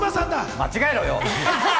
間違えろよ！